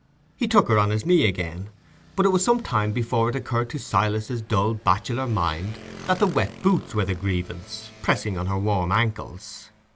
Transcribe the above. He took her on his knee again, but it was some time before it occurred to Silas's dull bachelor mind that the wet boots were the grievance, pressing on her warm ankles.